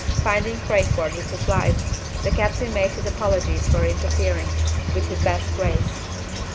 Finding Crayford with his wife, the captain made his apologies for interfering, with his best grace.